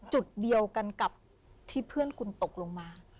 จุดเดียวกันกับที่เพื่อนคุณตกลงมา